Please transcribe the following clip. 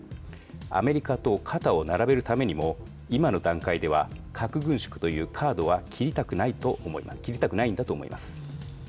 アメリカと肩を並べるためにも、今の段階では核軍縮というカードは切りたくないんだと思います。